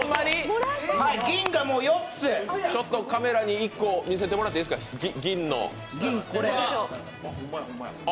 カメラに１個、見せてもらっていいですか銀の。